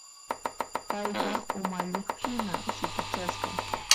Payqa umalliqhina sutichasqa.